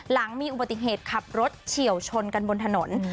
หลังมีอุบัติเหตุขับรถเฉียวชนกันบนถนน